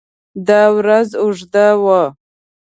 دا ورځ اوږده وه.